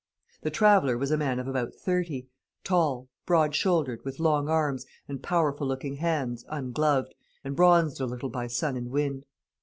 The traveller was a man of about thirty, tall, broad shouldered, with long arms, and powerful looking hands, ungloved, and bronzed a little by sun and wind.